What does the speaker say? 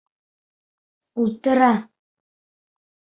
Ултыра!